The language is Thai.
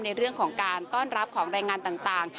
ในเรื่องของการต้อนรับของแรงงานต่าง